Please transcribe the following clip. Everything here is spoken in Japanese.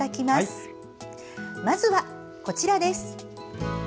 まずはこちらです。